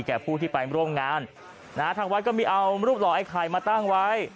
ผู้ที่ไปร่วมงานนะฮะทางวัดก็มีเอารูปหล่อไอ้ไข่มาตั้งไว้